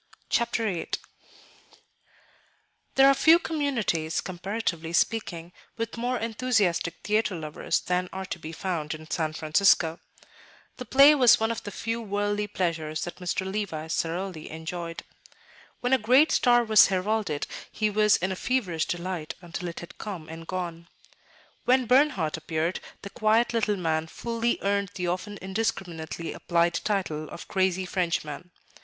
Chapter VIII There are few communities, comparatively speaking, with more enthusiastic theatre lovers than are to be found in San Francisco. The play was one of the few worldly pleasures that Mr. Levice thoroughly enjoyed. When a great star was heralded, he was in a feverish delight until it had come and gone. When Bernhardt appeared, the quiet little man fully earned the often indiscriminately applied title of "crazy Frenchman."